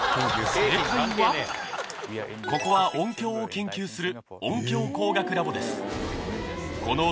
ここは音響を研究する。